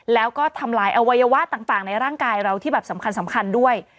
แล้วก็ทำลายอวัยวะต่างในร่างกายเราที่แบบสำคัญด้วย